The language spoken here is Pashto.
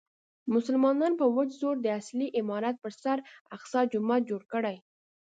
مسلمانانو په وچ زور د اصلي عمارت پر سر اقصی جومات جوړ کړی.